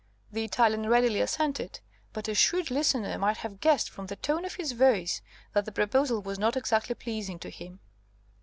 The Italian readily assented, but a shrewd listener might have guessed from the tone of his voice that the proposal was not exactly pleasing to him.